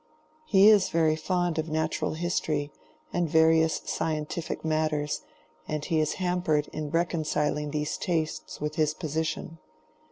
He is very fond of Natural History and various scientific matters, and he is hampered in reconciling these tastes with his position.